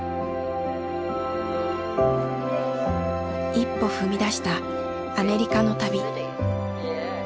一歩踏み出したアメリカの旅。